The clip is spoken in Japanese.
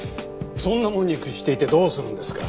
そんなものに屈していてどうするんですか。